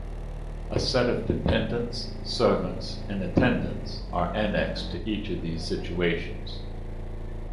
A set of dependents, servants, and attendants are annexed to each of these situations.